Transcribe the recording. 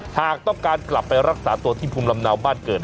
หากต้องการกลับไปรักษาตัวที่ภูมิลำเนาบ้านเกิด